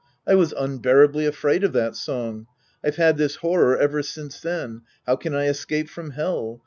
I was unbearably afraid of that song. I've had this horror ever since then. " How can I escape from Hell